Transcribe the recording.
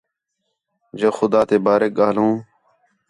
جو خُدا تے باریک ڳاھلوں